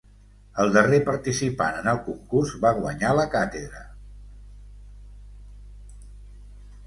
El darrer participant en el concurs va guanyar la càtedra.